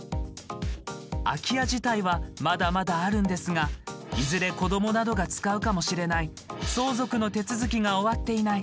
空き家自体はまだまだあるんですが「いずれ、子どもなどが使うかもしれない」「相続の手続きが終わっていない」